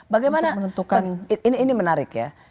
bagaimana menentukan ini menarik ya